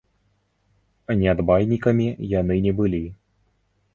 Нядбайнікамі яны не былі.